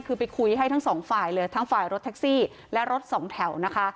คือไปคุยให้ทั้งสองฝ่ายเลยทั้งฝ่ายรถแท็กซี่และรถสองแถวนะคะ